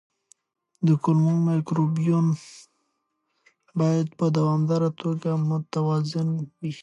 د کولمو مایکروبیوم باید په دوامداره توګه متوازن وي.